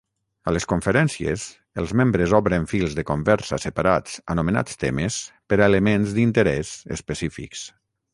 A les conferències, els membres obren fils de conversa separats anomenats "temes" per a elements d'interès específics.